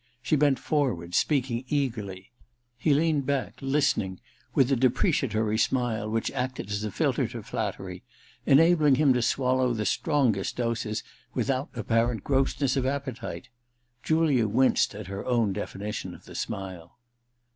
She bent forward, speaking eagerly ; he leaned back, listening, with the depreciatory smile which acted as a filter to flattery, enabling him to swallow the strongest doses without apparent grossness of appetite. Julia winced at her own definition of the smile.